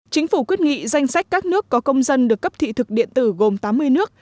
chính phủ quyết nghị danh sách các nước có công dân được cấp thị thực điện tử gồm tám mươi nước